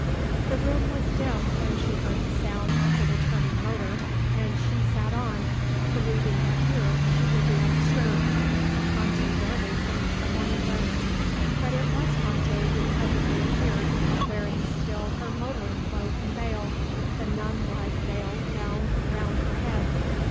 The room was dim when she heard the sound of the returning motor and she sat on, believing that here she would be undisturbed. Tante rarely came to the morning room. But it was Tante who presently appeared, wearing still her motoring cloak and veil, the nun like veil bound round her head.